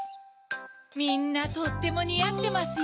みんなとってもにあってますよ。